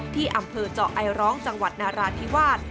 ที่อำเภอเจาะไอร้องจังหวัดนาราธิวาส